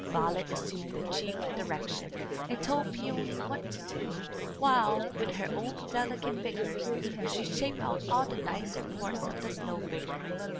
Violet assumed the chief direction, and told Peony what to do, while, with her own delicate fingers, she shaped out all the nicer parts of the snow figure.